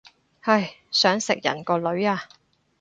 唉，想食人個女啊